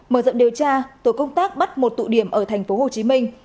mở rộng điều tra tổ công tác bắt một tụ điểm ở thành phố hồ chí minh